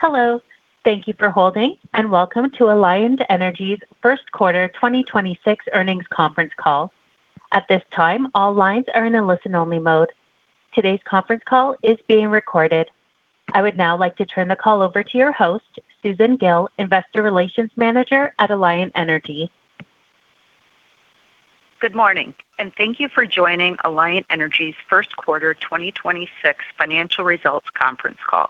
Hello. Thank you for holding, and welcome to Alliant Energy's First Quarter 2026 Earnings Conference Call. At this time, all lines are in a listen-only mode. Today's conference call is being recorded. I would now like to turn the call over to your host, Susan Gille, Investor Relations Manager at Alliant Energy. Good morning, thank you for joining Alliant Energy's first quarter 2026 financial results conference call.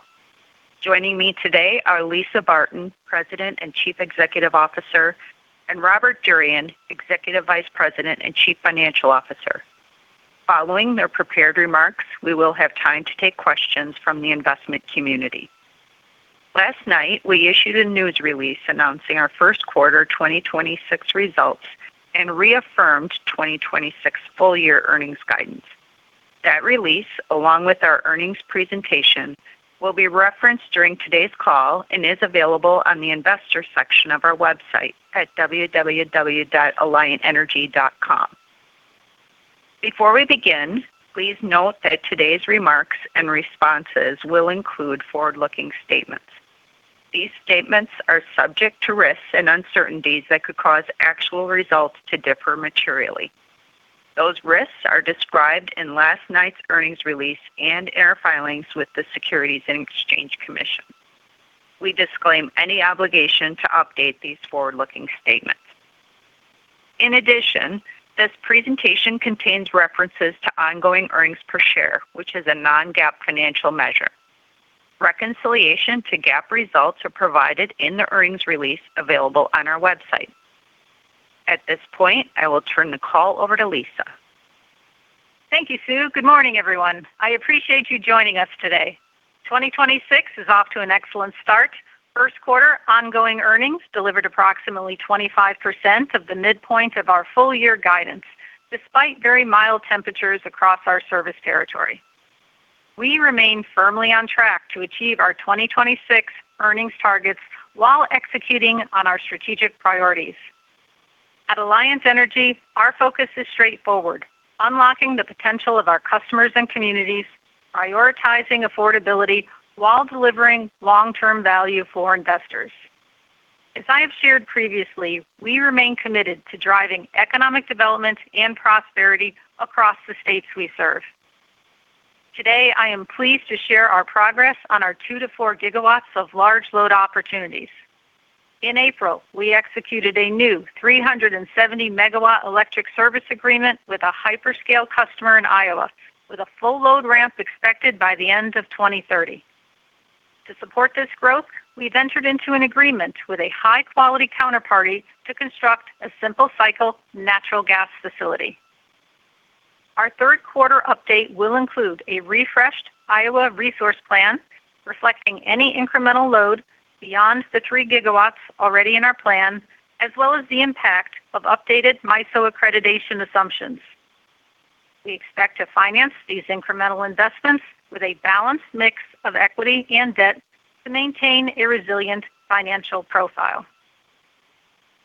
Joining me today are Lisa Barton, President and Chief Executive Officer, and Robert Durian, Executive Vice President and Chief Financial Officer. Following their prepared remarks, we will have time to take questions from the investment community. Last night, we issued a news release announcing our first quarter 2026 results and reaffirmed 2026 full-year earnings guidance. That release, along with our earnings presentation, will be referenced during today's call and is available on the investor section of our website at www.alliantenergy.com. Before we begin, please note that today's remarks and responses will include forward-looking statements. These statements are subject to risks and uncertainties that could cause actual results to differ materially. Those risks are described in last night's earnings release and in our filings with the Securities and Exchange Commission. We disclaim any obligation to update these forward-looking statements. In addition, this presentation contains references to ongoing earnings per share, which is a non-GAAP financial measure. Reconciliation to GAAP results are provided in the earnings release available on our website. At this point, I will turn the call over to Lisa. Thank you, Sue. Good morning, everyone. I appreciate you joining us today. 2026 is off to an excellent start. First quarter ongoing earnings delivered approximately 25% of the midpoint of our full-year guidance, despite very mild temperatures across our service territory. We remain firmly on track to achieve our 2026 earnings targets while executing on our strategic priorities. At Alliant Energy, our focus is straightforward. Unlocking the potential of our customers and communities, prioritizing affordability while delivering long-term value for investors. As I have shared previously, we remain committed to driving economic development and prosperity across the states we serve. Today, I am pleased to share our progress on our 2 GW-4 GW of large load opportunities. In April, we executed a new 370 MW electric service agreement with a hyperscale customer in Iowa, with a full load ramp expected by the end of 2030. To support this growth, we've entered into an agreement with a high-quality counterparty to construct a simple cycle natural gas facility. Our third quarter update will include a refreshed Iowa resource plan reflecting any incremental load beyond the 3 GW already in our plan, as well as the impact of updated MISO accreditation assumptions. We expect to finance these incremental investments with a balanced mix of equity and debt to maintain a resilient financial profile.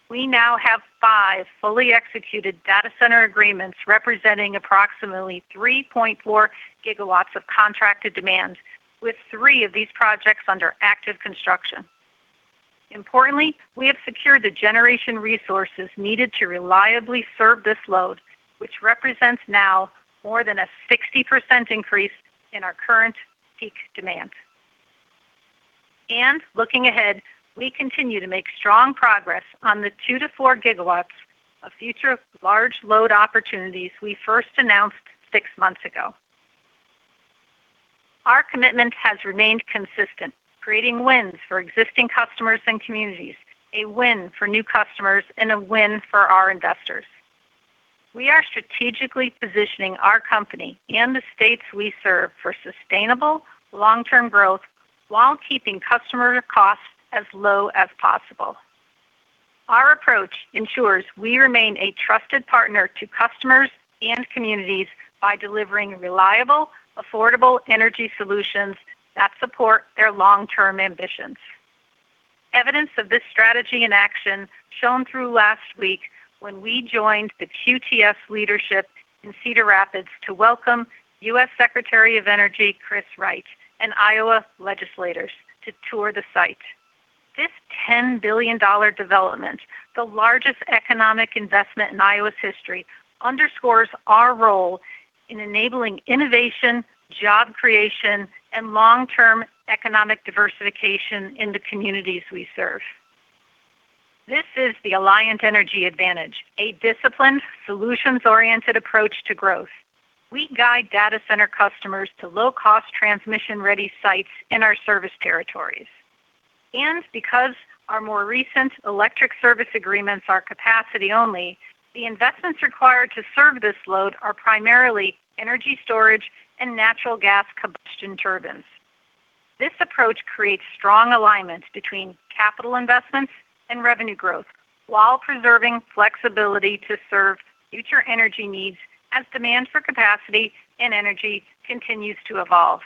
We now have five fully executed data center agreements representing approximately 3.4 GW of contracted demand, with three of these projects under active construction. Importantly, we have secured the generation resources needed to reliably serve this load, which represents now more than a 60% increase in our current peak demand. Looking ahead, we continue to make strong progress on the 2 GW-4 GW of future large load opportunities we first announced 6 months ago. Our commitment has remained consistent, creating wins for existing customers and communities, a win for new customers, and a win for our investors. We are strategically positioning our company and the states we serve for sustainable long-term growth while keeping customer costs as low as possible. Our approach ensures we remain a trusted partner to customers and communities by delivering reliable, affordable energy solutions that support their long-term ambitions. Evidence of this strategy in action shone through last week when we joined the QTS leadership in Cedar Rapids to welcome U.S. Secretary of Energy Chris Wright and Iowa legislators to tour the site. This $10 billion development, the largest economic investment in Iowa's history, underscores our role in enabling innovation, job creation, and long-term economic diversification in the communities we serve. This is the Alliant Energy advantage, a disciplined, solutions-oriented approach to growth. We guide data center customers to low-cost, transmission-ready sites in our service territories. Because our more recent electric service agreements are capacity only, the investments required to serve this load are primarily energy storage and natural gas combustion turbines. This approach creates strong alignment between capital investments and revenue growth while preserving flexibility to serve future energy needs as demand for capacity and energy continues to evolve.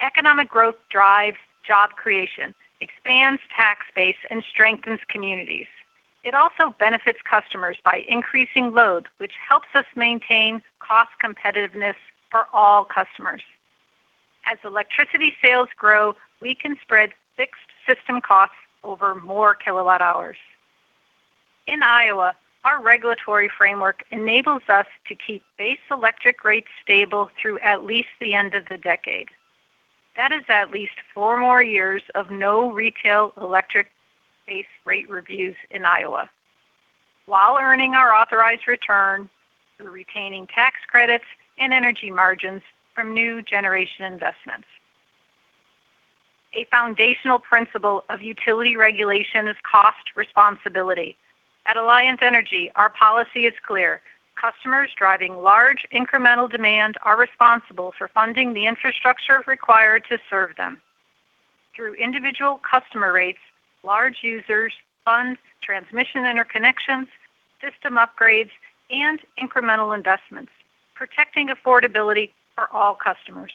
Economic growth drives job creation, expands tax base, and strengthens communities. It also benefits customers by increasing load, which helps us maintain cost competitiveness for all customers. As electricity sales grow, we can spread fixed system costs over more kilowatt hours. In Iowa, our regulatory framework enables us to keep base electric rates stable through at least the end of the decade. That is at least four more years of no retail electric base rate reviews in Iowa while earning our authorized return through retaining tax credits and energy margins from new generation investments. A foundational principle of utility regulation is cost responsibility. At Alliant Energy, our policy is clear. Customers driving large incremental demand are responsible for funding the infrastructure required to serve them. Through individual customer rates, large users, funds, transmission interconnections, system upgrades, and incremental investments, protecting affordability for all customers.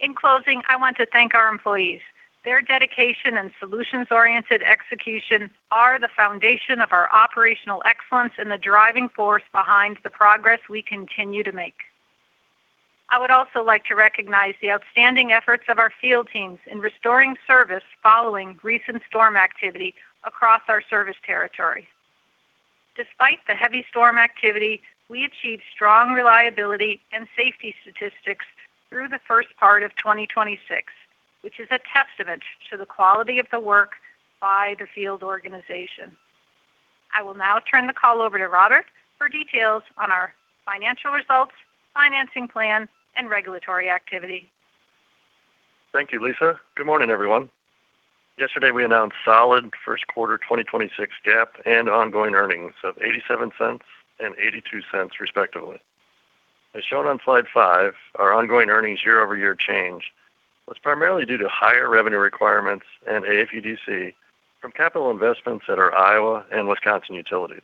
In closing, I want to thank our employees. Their dedication and solutions-oriented execution are the foundation of our operational excellence and the driving force behind the progress we continue to make. I would also like to recognize the outstanding efforts of our field teams in restoring service following recent storm activity across our service territory. Despite the heavy storm activity, we achieved strong reliability and safety statistics through the first part of 2026, which is a testament to the quality of the work by the field organization. I will now turn the call over to Robert for details on our financial results, financing plan, and regulatory activity. Thank you, Lisa. Good morning, everyone. Yesterday, we announced solid first quarter 2026 GAAP and ongoing earnings of $0.87 and $0.82, respectively. As shown on slide 5, our ongoing earnings year-over-year change was primarily due to higher revenue requirements and AFUDC from capital investments at our Iowa and Wisconsin utilities.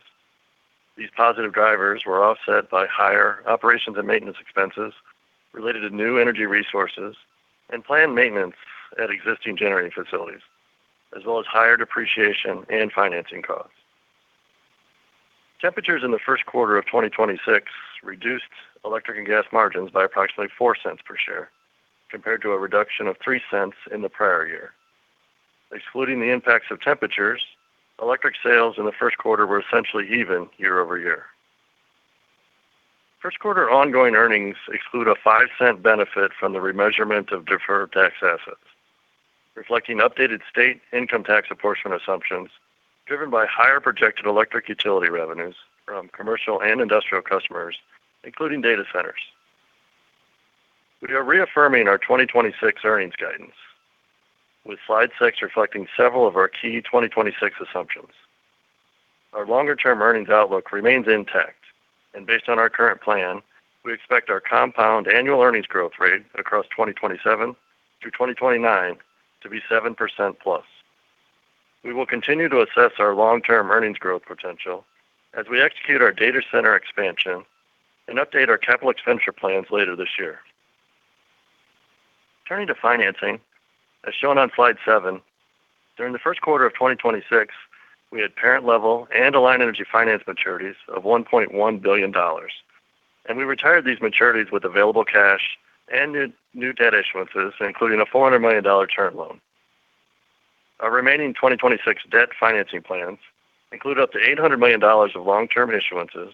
These positive drivers were offset by higher operations and maintenance expenses related to new energy resources and planned maintenance at existing generating facilities, as well as higher depreciation and financing costs. Temperatures in the first quarter of 2026 reduced electric and gas margins by approximately $0.04 per share compared to a reduction of $0.03 in the prior year. Excluding the impacts of temperatures, electric sales in the first quarter were essentially even year-over-year. First quarter ongoing earnings exclude a $0.05 benefit from the remeasurement of deferred tax assets, reflecting updated state income tax apportionment assumptions driven by higher projected electric utility revenues from commercial and industrial customers, including data centers. We are reaffirming our 2026 earnings guidance, with slide 6 reflecting several of our key 2026 assumptions. Our longer-term earnings outlook remains intact, and based on our current plan, we expect our compound annual earnings growth rate across 2027 through 2029 to be 7%+. We will continue to assess our long-term earnings growth potential as we execute our data center expansion and update our capital expenditure plans later this year. Turning to financing, as shown on slide 7, during the first quarter of 2026, we had parent-level and Alliant Energy Finance maturities of $1.1 billion, and we retired these maturities with available cash and new debt issuances, including a $400 million term loan. Our remaining 2026 debt financing plans include up to $800 million of long-term issuances,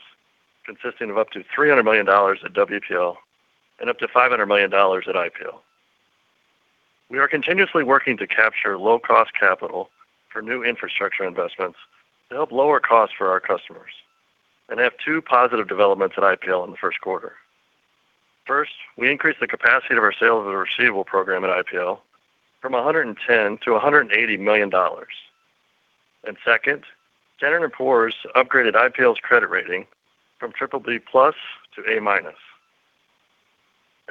consisting of up to $300 million at WPL and up to $500 million at IPL. We are continuously working to capture low-cost capital for new infrastructure investments to help lower costs for our customers and have two positive developments at IPL in the first quarter. First, we increased the capacity of our sales and receivable program at IPL from $110 million-$180 million. Second, Standard & Poor's upgraded IPL's credit rating from BBB+ to A-.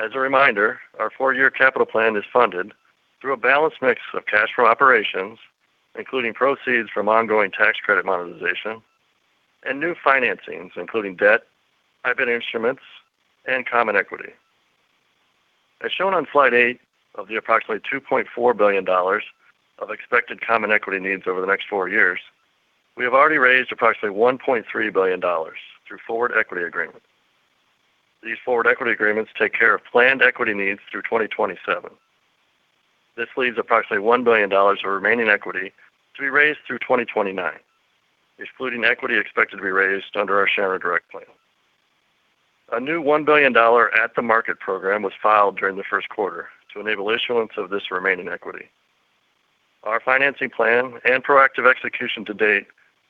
As a reminder, our four-year capital plan is funded through a balanced mix of cash from operations, including proceeds from ongoing tax credit monetization and new financings, including debt, private instruments, and common equity. As shown on slide 8 of the approximately $2.4 billion of expected common equity needs over the next four years, we have already raised approximately $1.3 billion through forward equity agreements. These forward equity agreements take care of planned equity needs through 2027. This leaves approximately $1 billion of remaining equity to be raised through 2029, excluding equity expected to be raised under our share owner direct plan. A new $1 billion at-the-market program was filed during the first quarter to enable issuance of this remaining equity. Our financing plan and proactive execution to date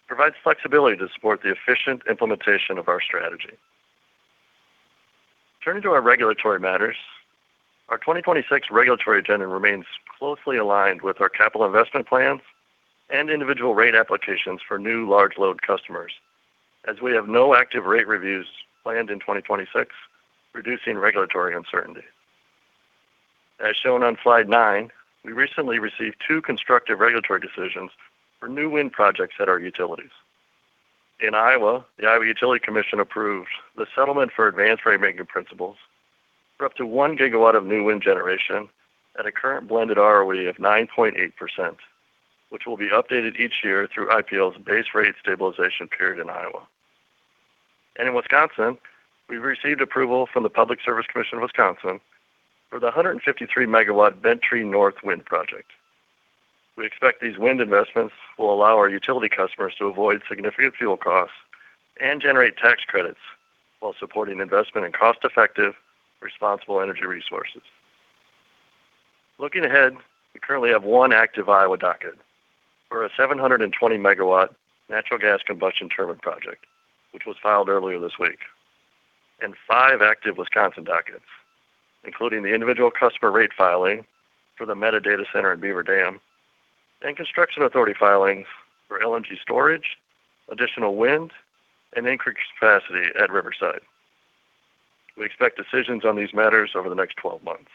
provides flexibility to support the efficient implementation of our strategy. Turning to our regulatory matters, our 2026 regulatory agenda remains closely aligned with our capital investment plans and individual rate applications for new large load customers as we have no active rate reviews planned in 2026, reducing regulatory uncertainty. As shown on slide 9, we recently received two constructive regulatory decisions for new wind projects at our utilities. In Iowa, the Iowa Utilities Commission approved the settlement for advanced rate making principles for up to 1 GW of new wind generation at a current blended ROE of 9.8%, which will be updated each year through IPL's base rate stabilization period in Iowa. In Wisconsin, we've received approval from the Public Service Commission of Wisconsin for the 153 MW Bent Tree North Wind Project. We expect these wind investments will allow our utility customers to avoid significant fuel costs and generate tax credits while supporting investment in cost-effective, responsible energy resources. Looking ahead, we currently have one active Iowa docket for a 720 MW natural gas combustion turbine project, which was filed earlier this week, and five active Wisconsin dockets, including the individual customer rate filing for the Meta data center in Beaver Dam and construction authority filings for LNG storage, additional wind, and increased capacity at Riverside. We expect decisions on these matters over the next 12 months.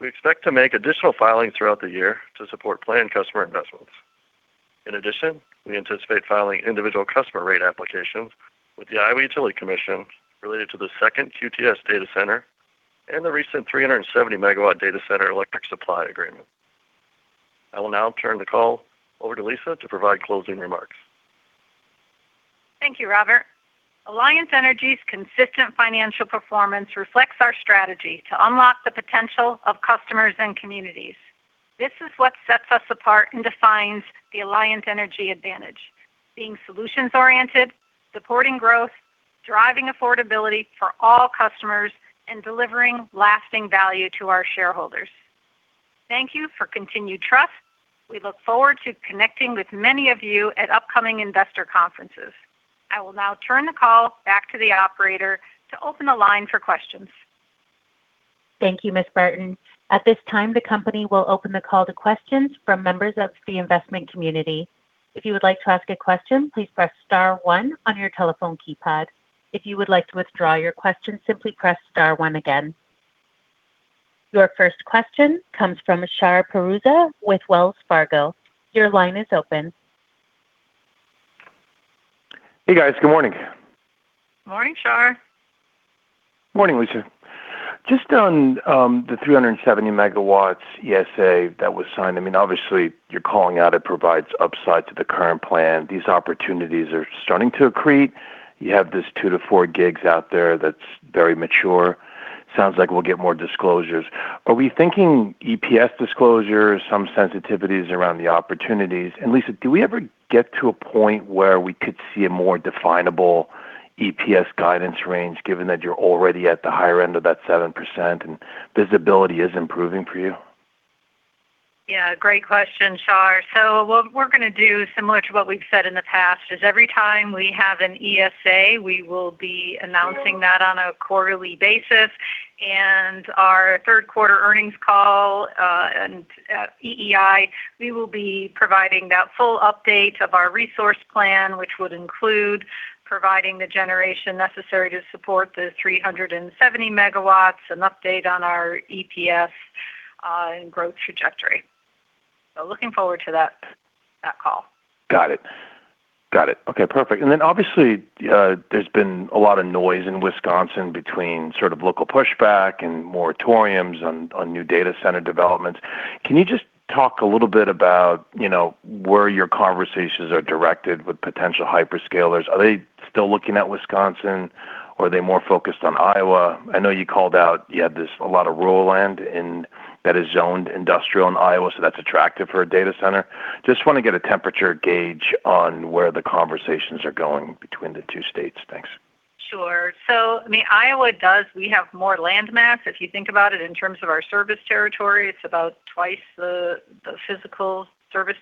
We expect to make additional filings throughout the year to support planned customer investments. In addition, we anticipate filing individual customer rate applications with the Iowa Utilities Commission related to the second QTS data center and the recent 370 MW data center electric supply agreement. I will now turn the call over to Lisa to provide closing remarks. Thank you, Robert. Alliant Energy's consistent financial performance reflects our strategy to unlock the potential of customers and communities. This is what sets us apart and defines the Alliant Energy advantage: being solutions-oriented, supporting growth, driving affordability for all customers, and delivering lasting value to our shareholders. Thank you for continued trust. We look forward to connecting with many of you at upcoming investor conferences. I will now turn the call back to the operator to open the line for questions. Thank you, Ms. Barton. At this time, the company will open the call to questions from members of the investment community. If you would like to ask a question, please press star one on your telephone keypad. If you would like to withdraw your question, simply press star one again. Your first question comes from Shar Pourreza with Wells Fargo. Your line is open. Hey, guys. Good morning. Morning, Shar. Morning, Lisa. Just on the 370 MW ESA that was signed, I mean, obviously you're calling out it provides upside to the current plan. These opportunities are starting to accrete. You have this 2 GW-4 GW out there that's very mature. Sounds like we'll get more disclosures. Are we thinking EPS disclosures, some sensitivities around the opportunities? Lisa, do we ever get to a point where we could see a more definable EPS guidance range, given that you're already at the higher end of that 7% and visibility is improving for you? Yeah, great question, Shar. What we're gonna do, similar to what we've said in the past, is every time we have an ESA, we will be announcing that on a quarterly basis. Our third quarter earnings call, and at EEI, we will be providing that full update of our resource plan, which would include providing the generation necessary to support the 370 MW, an update on our EPS, and growth trajectory. Looking forward to that call. Got it. Got it. Okay, perfect. Obviously, there's been a lot of noise in Wisconsin between sort of local pushback and moratoriums on new data center developments. Can you just talk a little bit about, you know, where your conversations are directed with potential hyperscalers? Are they still looking at Wisconsin or are they more focused on Iowa? I know you called out you had this a lot of rural land that is zoned industrial in Iowa, so that's attractive for a data center. Just wanna get a temperature gauge on where the conversations are going between the two states. Thanks. Sure. Iowa does, we have more land mass. If you think about it in terms of our service territory, it's about twice the physical service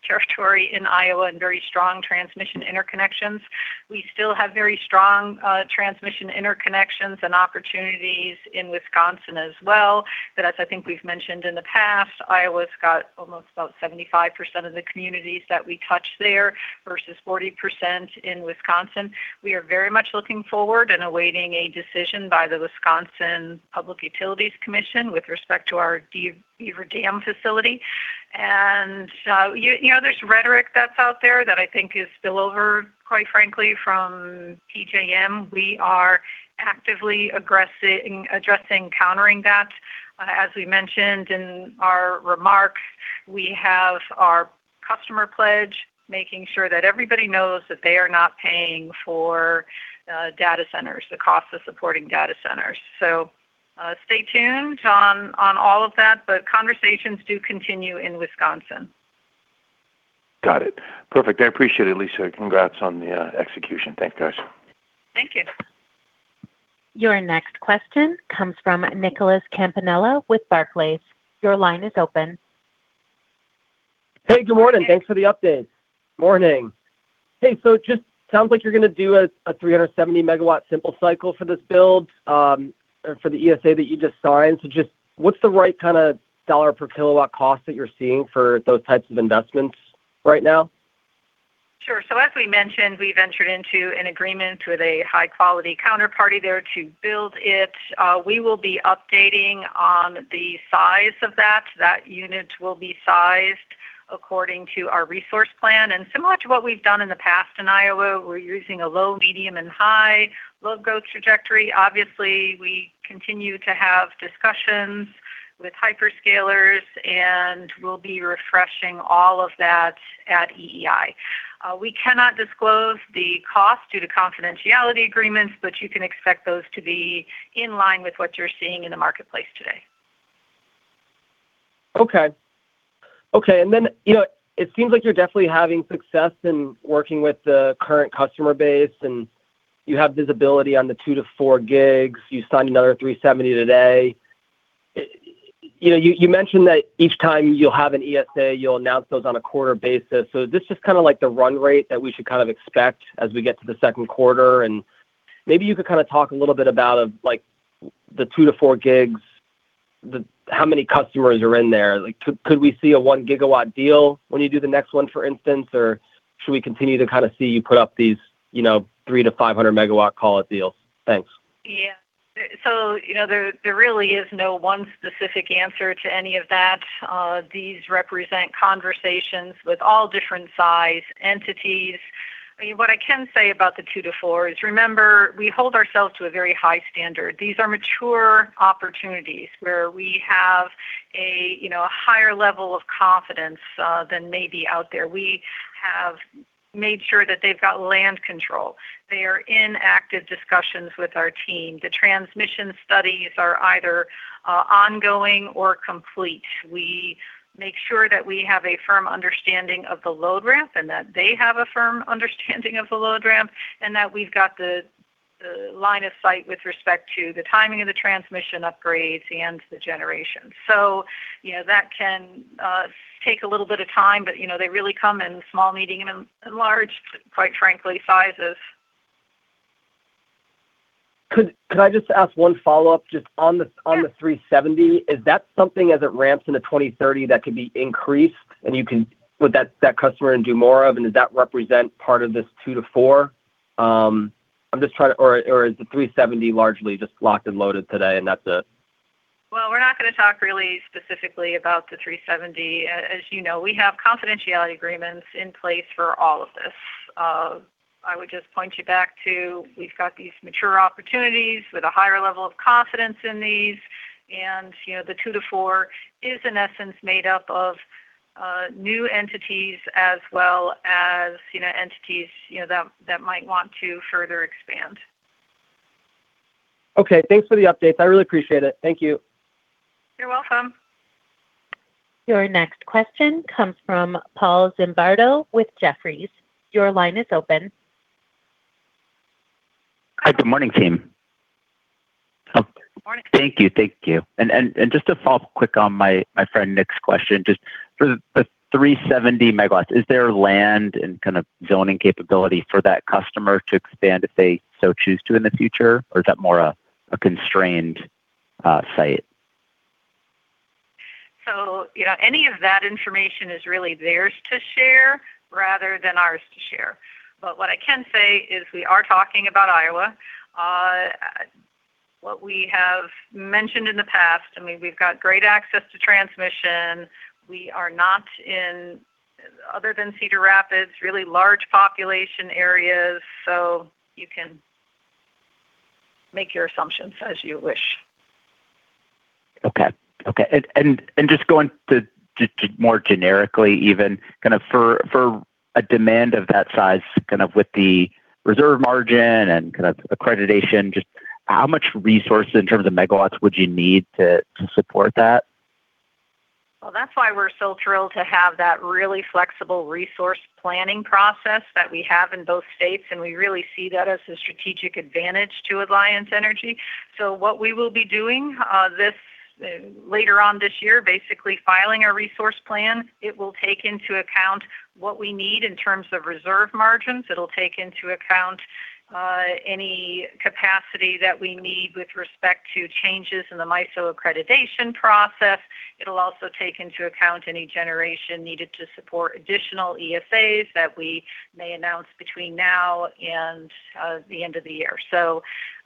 territory in Iowa and very strong transmission interconnections. We still have very strong transmission interconnections and opportunities in Wisconsin as well. Iowa's got almost about 75% of the communities that we touch there versus 40% in Wisconsin. We are very much looking forward and awaiting a decision by the Public Service Commission of Wisconsin with respect to our Beaver Dam facility. You know, there's rhetoric that's out there that I think is spill over, quite frankly, from PJM. We are actively addressing countering that. As we mentioned in our remarks, we have our customer pledge, making sure that everybody knows that they are not paying for data centers, the cost of supporting data centers. Stay tuned on all of that, but conversations do continue in Wisconsin. Got it. Perfect. I appreciate it, Lisa. Congrats on the execution. Thanks, guys. Thank you. Your next question comes from Nicholas Campanella with Barclays. Your line is open. Hey, good morning. Thanks for the update. Morning. It just sounds like you're gonna do a 370 MW simple cycle for this build, or for the ESA that you just signed. Just what's the right kind of dollar per kilowatt cost that you're seeing for those types of investments right now? Sure. As we mentioned, we ventured into an agreement with a high-quality counterparty there to build it. We will be updating on the size of that. That unit will be sized according to our resource plan, and similar to what we've done in the past in Iowa, we're using a low, medium, and high load growth trajectory. Obviously, we continue to have discussions with hyperscalers, and we'll be refreshing all of that at EEI. We cannot disclose the cost due to confidentiality agreements, but you can expect those to be in line with what you're seeing in the marketplace today. Okay. Okay. You know, it seems like you're definitely having success in working with the current customer base, and you have visibility on the 2 GW-4 GW. You signed another 370 MW today. You know, you mentioned that each time you'll have an ESA, you'll announce those on a quarter basis. Is this just kinda like the run rate that we should kind of expect as we get to the second quarter? Maybe you could kinda talk a little bit about, like, the 2 GW-4 GW, how many customers are in there? Like, could we see a 1 GW deal when you do the next one, for instance? Should we continue to kinda see you put up these, you know, 300 MW-500 MW call it deals? Thanks. Yeah. You know, there really is no one specific answer to any of that. These represent conversations with all different size entities. I mean, what I can say about the two to four is, remember, we hold ourselves to a very high standard. These are mature opportunities where we have a, you know, a higher level of confidence than maybe out there. We have made sure that they've got land control. They are in active discussions with our team. The transmission studies are either ongoing or complete. We make sure that we have a firm understanding of the load ramp and that they have a firm understanding of the load ramp, and that we've got the line of sight with respect to the timing of the transmission upgrades and the generation. You know, that can take a little bit of time, but, you know, they really come in small, medium, and large, quite frankly, sizes. Could I just ask one follow-up? On the 370 MW? Is that something, as it ramps into 2030, that could be increased and would that customer then do more of? Does that represent part of this 2 GW-4 GW? I'm just trying to. Is the 370 MW largely just locked and loaded today, and that's it? Well, we're not gonna talk really specifically about the 370 MW. As you know, we have confidentiality agreements in place for all of this. I would just point you back to we've got these mature opportunities with a higher level of confidence in these. You know, the 2 GW-4 GW is, in essence, made up of new entities as well as, you know, entities that might want to further expand. Okay. Thanks for the updates. I really appreciate it. Thank you. You're welcome. Your next question comes from Paul Zimbardo with Jefferies. Your line is open. Hi. Good morning, team. Morning. Thank you. Thank you. Just to follow up quick on my friend Nick's question, just for the 370 MW, is there land and kind of zoning capability for that customer to expand if they so choose to in the future? Is that more a constrained site? You know, any of that information is really theirs to share rather than ours to share. What I can say is we are talking about Iowa. What we have mentioned in the past, I mean, we've got great access to transmission. We are not in, other than Cedar Rapids, really large population areas, so you can make your assumptions as you wish. Okay. Okay. Just going to more generically even, kind of for a demand of that size, kind of with the reserve margin and kind of accreditation, just how much resources in terms of megawatts would you need to support that? That's why we're so thrilled to have that really flexible resource planning process that we have in both states, and we really see that as a strategic advantage to Alliant Energy. What we will be doing, this later on this year, basically filing a resource plan. It will take into account what we need in terms of reserve margins. It'll take into account any capacity that we need with respect to changes in the MISO accreditation process. It'll also take into account any generation needed to support additional ESAs that we may announce between now and the end of the year.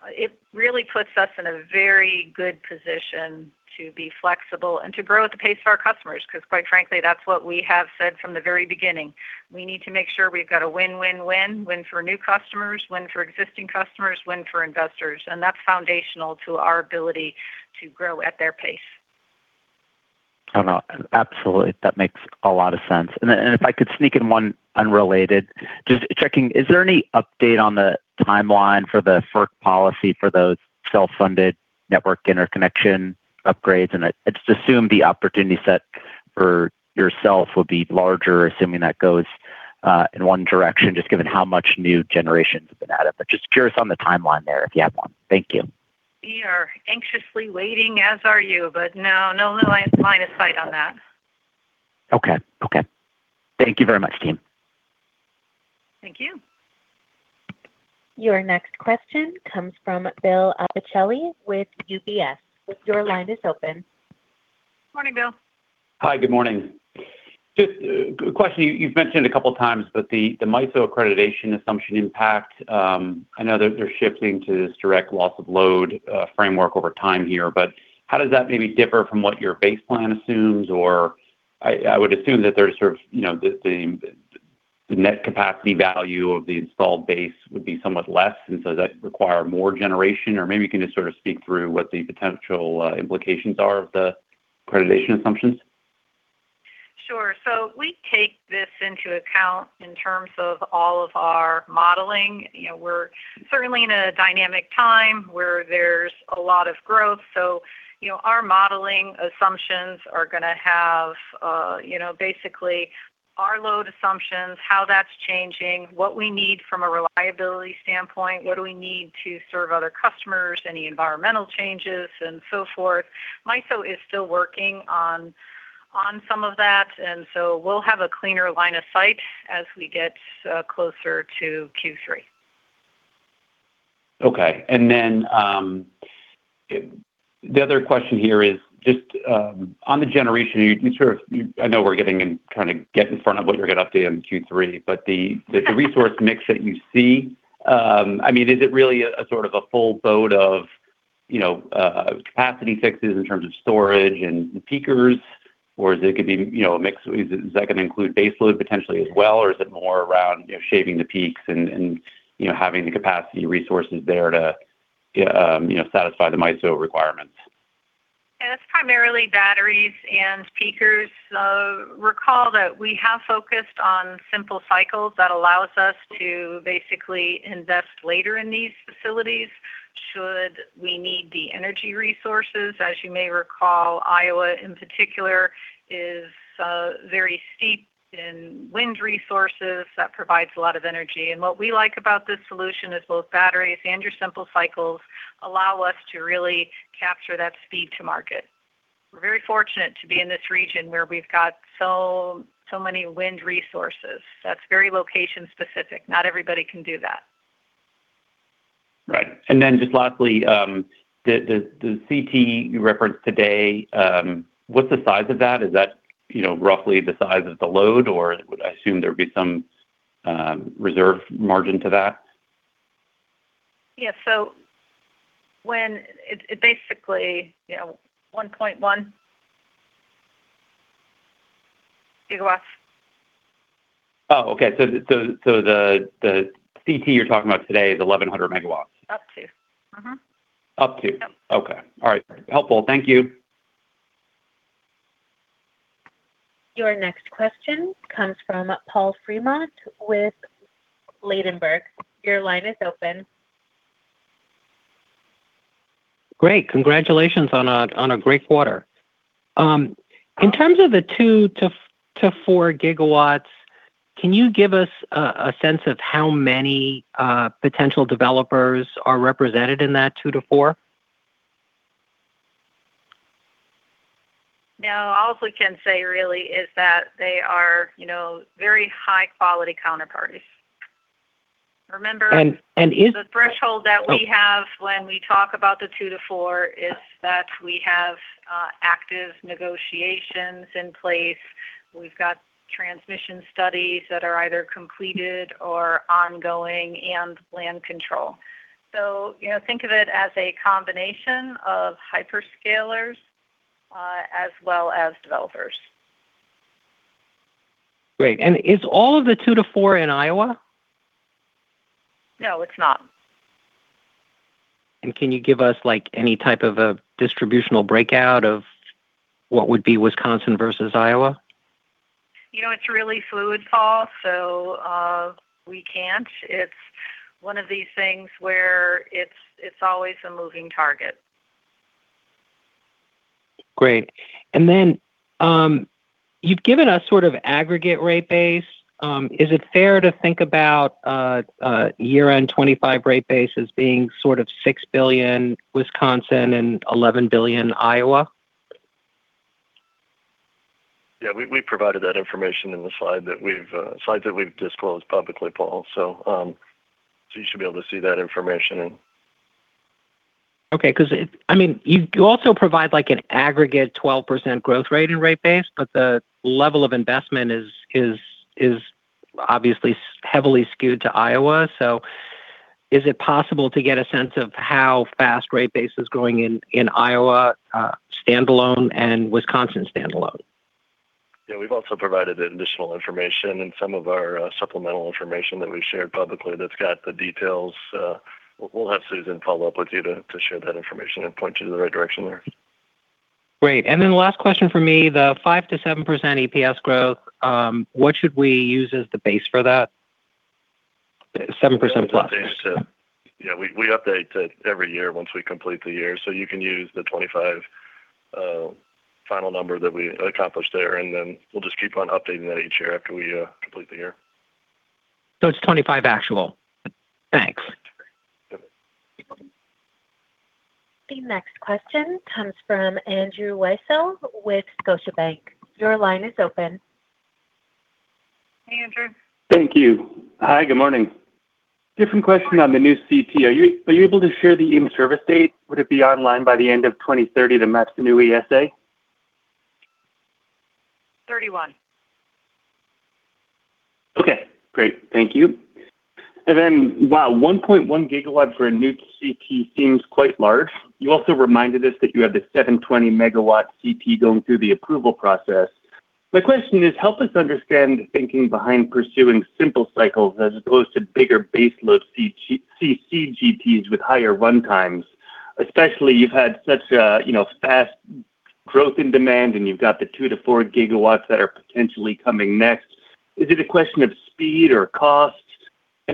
It really puts us in a very good position to be flexible and to grow at the pace of our customers, 'cause quite frankly, that's what we have said from the very beginning. We need to make sure we've got a win-win-win. Win for new customers, win for existing customers, win for investors, and that's foundational to our ability to grow at their pace. Oh, no, absolutely. That makes a lot of sense. If I could sneak in one unrelated. Just checking, is there any update on the timeline for the FERC policy for those self-funded network interconnection upgrades? I just assume the opportunity set for yourself would be larger, assuming that goes in one direction, just given how much new generations have been added. Just curious on the timeline there, if you have one. Thank you. We are anxiously waiting, as are you. No, no line of sight on that. Okay. Thank you very much, team. Thank you. Your next question comes from Bill Appicelli with UBS. Your line is open. Morning, Bill. Hi. Good morning. Just a question, you've mentioned a couple times, the MISO accreditation assumption impact. I know they're shifting to this direct loss of load framework over time here. How does that maybe differ from what your base plan assumes? I would assume that there's sort of, you know, the net capacity value of the installed base would be somewhat less. Does that require more generation? Maybe you can just sort of speak through what the potential implications are of the accreditation assumptions. Sure. We take this into account in terms of all of our modeling. You know, we're certainly in a dynamic time where there's a lot of growth. You know, our modeling assumptions are gonna have, you know, basically our load assumptions, how that's changing, what we need from a reliability standpoint, what do we need to serve other customers, any environmental changes and so forth. MISO is still working on some of that, and so we'll have a cleaner line of sight as we get closer to Q3. Okay. The other question here is just on the generation, you sort of I know we're trying to get in front of what you're gonna update in Q3, but the resource mix that you see, I mean, is it really a sort of a full boat of, you know, capacity fixes in terms of storage and the peakers? Or is it gonna be, you know, a mix? Is that gonna include base load potentially as well? Or is it more around, you know, shaving the peaks and, you know, having the capacity resources there to, you know, satisfy the MISO requirements? Yeah. It's primarily batteries and peakers. Recall that we have focused on simple cycles that allows us to basically invest later in these facilities should we need the energy resources. As you may recall, Iowa in particular is very steeped in wind resources. That provides a lot of energy. What we like about this solution is both batteries and your simple cycles allow us to really capture that speed to market. We're very fortunate to be in this region where we've got so many wind resources. That's very location specific. Not everybody can do that. Right. Then just lastly, the CT you referenced today, what's the size of that? Is that, you know, roughly the size of the load? I assume there'd be some reserve margin to that. Yeah. It basically, you know, 1.1 GW. Oh, okay. The CT you're talking about today is 1,100 MW. Up to. Up to. Yep. Okay. All right. Helpful. Thank you. Your next question comes from Paul Fremont with Ladenburg. Your line is open. Great. Congratulations on a great quarter. In terms of the 2 GW-4 GW, can you give us a sense of how many potential developers are represented in that 2 GW-4 GW? No. All we can say really is that they are, you know, very high quality counterparties. And, and is- The threshold that we have when we talk about the 2 GW-4 GW is that we have active negotiations in place. We've got transmission studies that are either completed or ongoing and land control. You know, think of it as a combination of hyperscalers, as well as developers. Great. Is all of the 2 GW-4 GW in Iowa? No, it's not. Can you give us, like, any type of a distributional breakout of what would be Wisconsin versus Iowa? You know, it's really fluid, Paul, we can't. It's one of these things where it's always a moving target. Great. You've given us sort of aggregate rate base. Is it fair to think about a year-end $25 billion rate base as being sort of $6 billion Wisconsin and $11 billion Iowa? Yeah. We provided that information in the slide that we've disclosed publicly, Paul. You should be able to see that information. I mean, you also provide like an aggregate 12% growth rate in rate base, but the level of investment is obviously heavily skewed to Iowa. Is it possible to get a sense of how fast rate base is growing in Iowa standalone and Wisconsin standalone? We've also provided additional information in some of our supplemental information that we shared publicly that's got the details. We'll have Susan follow up with you to share that information and point you to the right direction there. Great. Last question from me, the 5%-7% EPS growth, what should we use as the base for that? 7%+. Yeah, we update that every year once we complete the year. You can use the $25 billion final number that we accomplished there, and then we'll just keep on updating that each year after we complete the year. It's $25 billion actual. Thanks. The next question comes from Andrew Weisel with Scotiabank. Your line is open. Hey, Andrew. Thank you. Hi, good morning. Different question on the new CT. Are you able to share the in-service date? Would it be online by the end of 2030 to match the new ESA? 2031. Okay, great. Thank you. Wow, 1.1 GW for a new CT seems quite large. You also reminded us that you have the 720 MW CT going through the approval process. My question is, help us understand the thinking behind pursuing simple cycles as opposed to bigger base load CCGTs with higher run times, especially you've had such a, you know, fast growth in demand, and you've got the 2 GW-4 GW that are potentially coming next. Is it a question of speed or cost?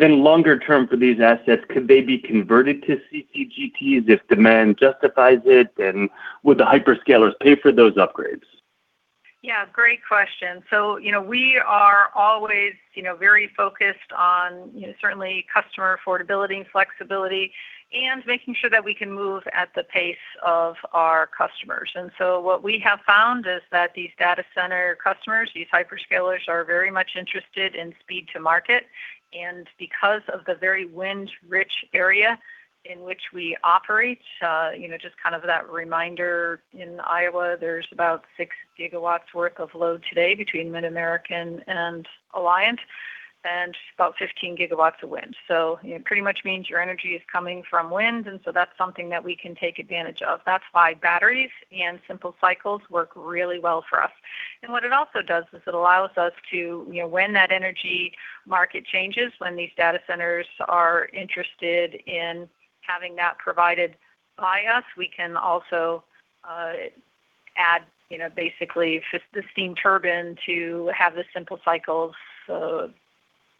longer term for these assets, could they be converted to CCGTs if demand justifies it? would the hyperscalers pay for those upgrades? Yeah, great question. You know, we are always, you know, very focused on, you know, certainly customer affordability and flexibility and making sure that we can move at the pace of our customers. What we have found is that these data center customers, these hyperscalers, are very much interested in speed to market. Because of the very wind-rich area in which we operate, you know, just kind of that reminder, in Iowa, there's about 6 GW worth of load today between MidAmerican and Alliant and about 15 GW of wind. You know, pretty much means your energy is coming from wind, and so that's something that we can take advantage of. That's why batteries and simple cycles work really well for us. What it also does is it allows us to, you know, when that energy market changes, when these data centers are interested in having that provided by us, we can also add, you know, basically just the steam turbine to have the simple cycles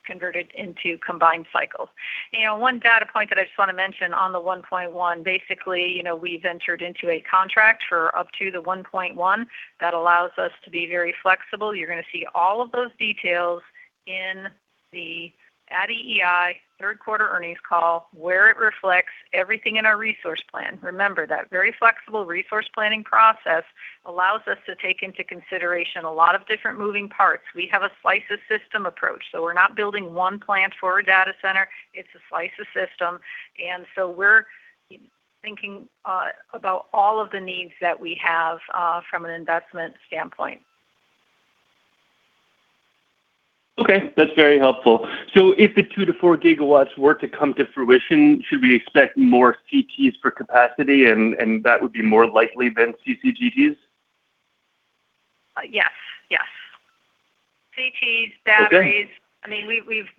converted into combined cycles. You know, one data point that I just wanna mention on the 1.1 MW, basically, you know, we ventured into a contract for up to the 1.1 MW that allows us to be very flexible. You're gonna see all of those details in the at EEI third quarter earnings call, where it reflects everything in our resource plan. Remember, that very flexible resource planning process allows us to take into consideration a lot of different moving parts. We have a slice of system approach, so we're not building one plant for a data center. It's a slice of system, we're thinking, about all of the needs that we have, from an investment standpoint. Okay. That's very helpful. If the 2 GW-4 Gw were to come to fruition, should we expect more CTs for capacity and that would be more likely than CCGTs? Yes. Yes. CTs, batteries. Okay. I mean,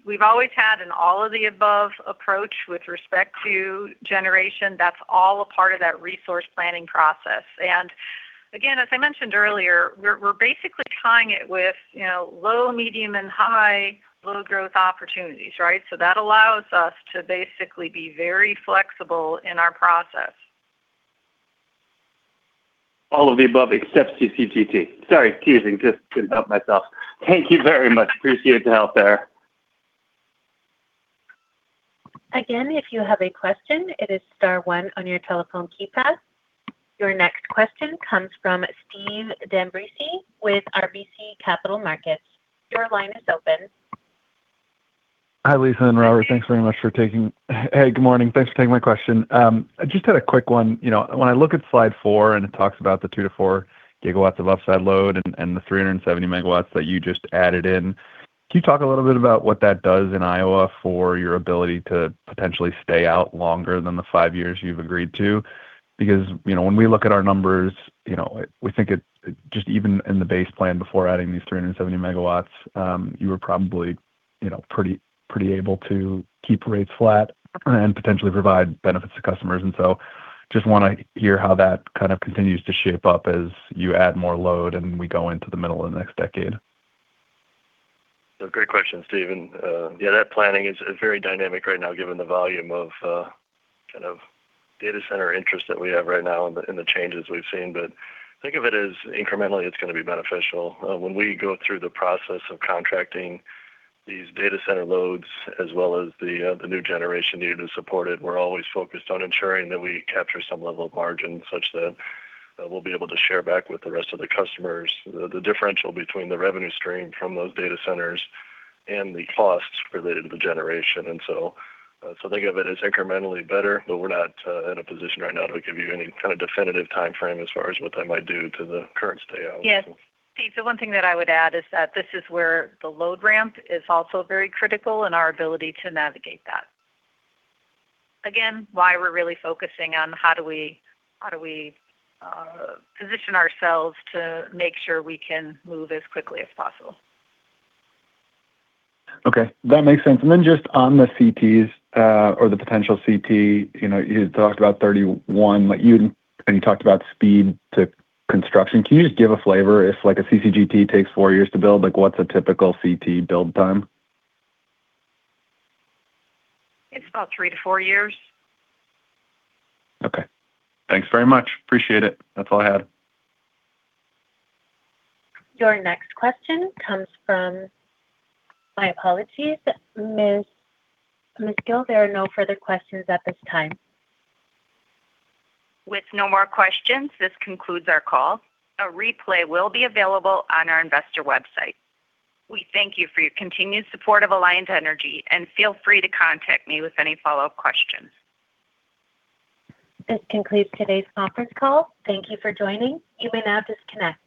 we've always had an all of the above approach with respect to generation. That's all a part of that resource planning process. Again, as I mentioned earlier, we're basically tying it with, you know, low, medium, and high low growth opportunities, right? That allows us to basically be very flexible in our process. All of the above, except CCGT. Sorry, teasing, just couldn't help myself. Thank you very much. Appreciate the help there. Again, if you have a question, it is star 1 on your telephone key pad. Your next question comes from Steve D'Ambrisi with RBC Capital Markets. Your line is open. Hi, Lisa and Robert. Hey, good morning. Thanks for taking my question. I just had a quick one. You know, when I look at slide 4 and it talks about the 2 GW-4 GW of offside load and the 370 MW that you just added in, can you talk a little bit about what that does in Iowa for your ability to potentially stay out longer than the five years you've agreed to? Because, you know, when we look at our numbers, you know, we think it, just even in the base plan before adding these 370 MW, you were probably, you know, pretty able to keep rates flat and potentially provide benefits to customers. Just wanna hear how that kind of continues to shape up as you add more load and we go into the middle of the next decade. Great question, Steve. Yeah, that planning is very dynamic right now given the volume of kind of data center interest that we have right now and the changes we've seen. Think of it as incrementally it's gonna be beneficial. When we go through the process of contracting these data center loads as well as the new generation needed to support it, we're always focused on ensuring that we capture some level of margin such that we'll be able to share back with the rest of the customers the differential between the revenue stream from those data centers and the costs related to the generation. So think of it as incrementally better, but we're not in a position right now to give you any kind of definitive timeframe as far as what that might do to the current stay out. Yes. Steve, the one thing that I would add is that this is where the load ramp is also very critical and our ability to navigate that. Again, why we're really focusing on how do we position ourselves to make sure we can move as quickly as possible. Okay. That makes sense. Then just on the CTs, or the potential CT, you know, you talked about 31, like and you talked about speed to construction. Can you just give a flavor if like a CCGT takes four years to build, like what's a typical CT build time? It's about 3-4 years. Okay. Thanks very much. Appreciate it. That's all I had. Your next question comes from... My apologies. Ms., Susan Gille, there are no further questions at this time. With no more questions, this concludes our call. A replay will be available on our investor website. We thank you for your continued support of Alliant Energy, and feel free to contact me with any follow-up questions. This concludes today's conference call. Thank you for joining. You may now disconnect.